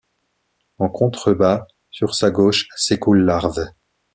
En contrebas, sur sa gauche s'écoule l'Arve.